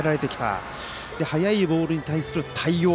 そして、速いボールに対する対応。